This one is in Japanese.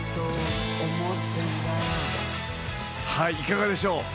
いかがでしょう？